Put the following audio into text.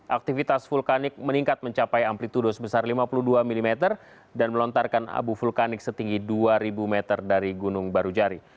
aktivitas vulkanik meningkat mencapai amplitudo sebesar lima puluh dua mm dan melontarkan abu vulkanik setinggi dua ribu meter dari gunung barujari